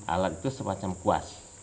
alat itu semacam kuas